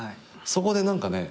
そこで何かね